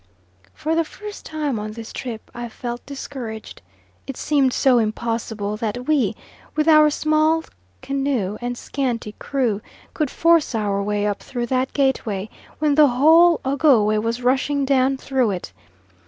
For the first time on this trip I felt discouraged; it seemed so impossible that we, with our small canoe and scanty crew, could force our way up through that gateway, when the whole Ogowe was rushing down through it.